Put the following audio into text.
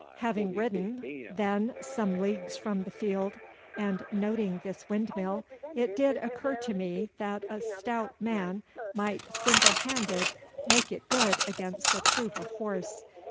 'Having ridden, then, some leagues from the field, and noting this windmill, it did occur to me that a stout man might single handed make it good against a troop of horse.